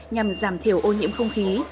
nhằm giảm thiểu ô nhiễm không khí